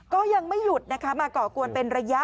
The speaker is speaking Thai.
ก็ยังไม่หยุดนะคะมาก่อกวนเป็นระยะ